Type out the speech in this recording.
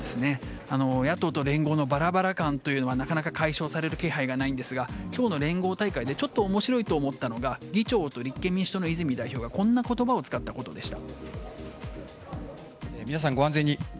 野党と連合のバラバラ感はなかなか解消される気配がありませんが今日の会合でおもしろかったのが議長と立憲民主党の泉代表がこんな言葉を使ったことでした。